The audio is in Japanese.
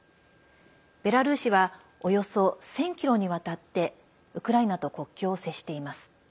ベラルーシはおよそ１０００ｋｍにわたってウクライナと国境を接しています。